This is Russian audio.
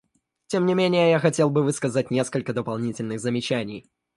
Тем не менее я хотел бы высказать несколько дополнительных замечаний.